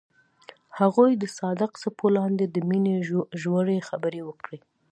هغوی د صادق څپو لاندې د مینې ژورې خبرې وکړې.